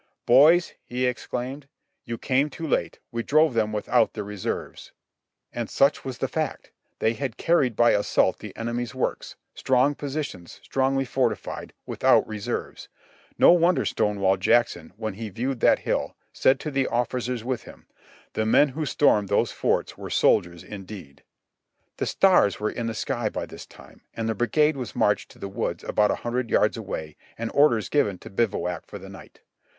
"Boys," he exclaimed, "you came too late; we drove them without the reserves." And such was the fact ; they had carried by assault the enemy's works — strong positions, strongly fortified — without reserves. No wonder Stonewall Jackson, when he viewed that hill, said to the officers with him : "The men whostormed those forts were soldiers indeed!" The stars were in the sky by this time, and the brigade was marched to the woods about a hundred yards away, and orders given to bivouac for the night.